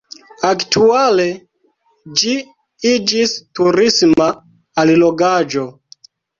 Aktuale ĝi iĝis turisma allogaĵo.